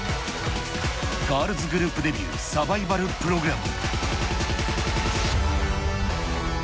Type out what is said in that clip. ガールズグループデビュー、サバイバルプログラム。